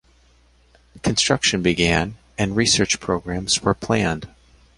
Construction began, and research programs were planned.